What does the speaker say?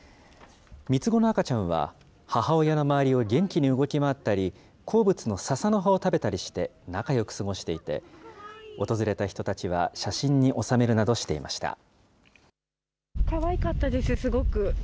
３つ子の赤ちゃんは、母親の周りを元気に動き回ったり、好物のささの葉を食べたりして、仲よく過ごしていて、訪れた人たちは写真に収めるなどしていました。